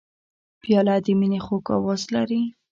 پیاله د مینې خوږ آواز لري.